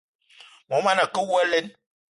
Mon manga a ke awou alen!